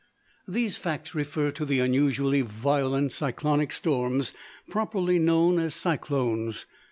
These facts refer to the unusually violent cyclonic storms, properly known as cyclones.